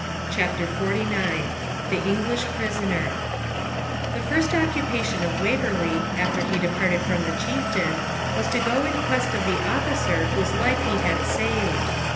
CHAPTER XLIX THE ENGLISH PRISONER The first occupation of Waverley, after he departed from the Chieftain, was to go in quest of the officer whose life he had saved.